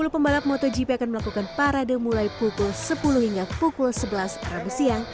sepuluh pembalap motogp akan melakukan parade mulai pukul sepuluh hingga pukul sebelas rabu siang